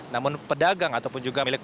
namun pedagang ataupun juga milik